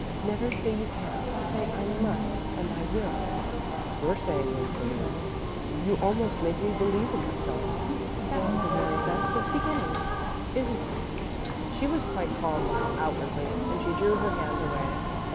"Never say you can't. Say 'I must,' and 'I will.'" "You're saying them for me. You almost make me believe in myself." "That's the very best of beginnings, isn't it?" She was quite calm now, outwardly, and she drew her hand away.